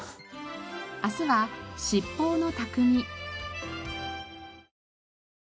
明日は七宝の匠。